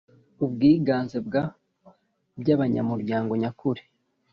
ubwiganze bwa by abanyamuryango nyakuri